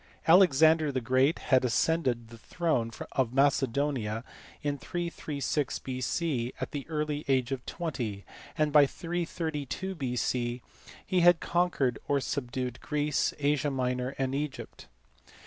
Alexander the Great had as cended the throne of Macedonia in 336 B.C. at the early age of 20, and by 332 B.C. he had conquered or subdued Greece, Asia Minor, and Egypt.